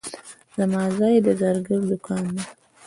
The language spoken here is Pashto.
زما ځای د زرګر دوکان دی.